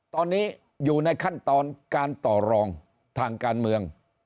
ตอนนี้อยู่ในขั้นตอนการต่อรองทางการเมือง